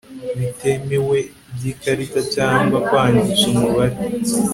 ritemewe by ikarita cyangwa kwangiza umubare